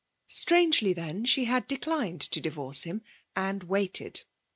Strangely, then, she had declined to divorce him, and waited.